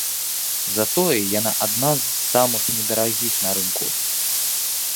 Затое яна адна з самых недарагіх на рынку.